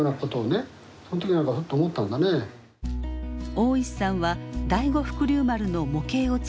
大石さんは第五福竜丸の模型を作り始めます。